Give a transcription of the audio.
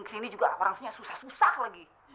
kesini juga orang sini susah susah lagi